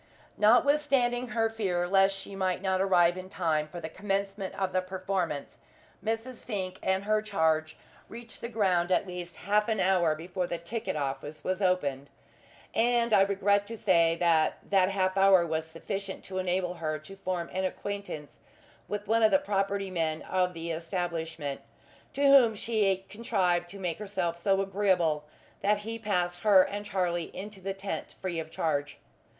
Notwithstanding her fear lest she might not arrive in time for the commencement of the performance, Mrs. Fink and her charge reached the ground at least half an hour before the ticket office was opened; and I regret to say that that half hour was sufficient to enable her to form an acquaintance with one of the property men of the establishment, to whom she contrived to make herself so agreeable that he passed her and Charlie into the tent free of charge.